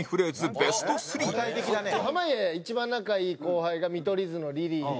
ベスト３山内：濱家、一番仲いい後輩が見取り図のリリーで。